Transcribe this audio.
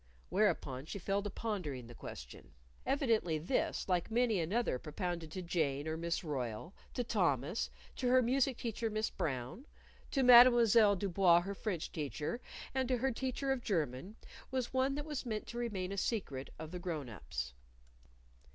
Whereupon she fell to pondering the question. Evidently this, like many another propounded to Jane or Miss Royle; to Thomas; to her music teacher, Miss Brown; to Mademoiselle Du Bois, her French teacher; and to her teacher of German, was one that was meant to remain a secret of the grown ups.